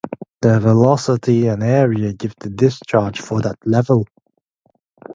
The velocity and the area give the discharge for that level.